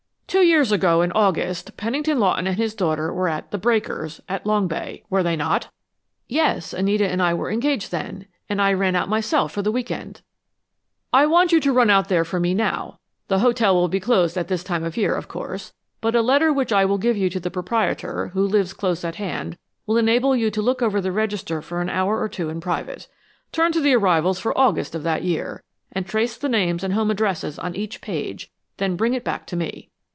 "Two years ago, in August, Pennington Lawton and his daughter were at 'The Breakers,' at Long Bay, were they not?" "Yes. Anita and I were engaged then, and I ran out myself for the week end." "I want you to run out there for me now. The hotel will be closed at this time of year, of course, but a letter which I will give you to the proprietor, who lives close at hand, will enable you to look over the register for an hour or two in private. Turn to the arrivals for August of that year, and trace the names and home addresses on each page; then bring it back to me."